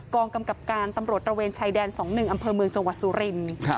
กองกำกับการตำรวจระเวนชายแดน๒๑อำเภอเมืองจังหวัดสุรินทร์